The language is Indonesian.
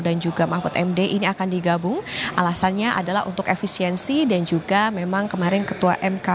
dan juga mahfud md ini akan digabung alasannya adalah untuk efisiensi dan juga memang kemarin ketua mk